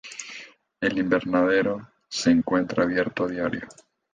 El invernadero se encuentra abierto a diario.